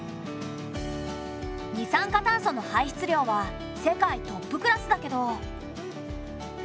二酸化炭素の排出量は世界トップクラスだけど。